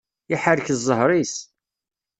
Iḥerrek ẓẓher-is.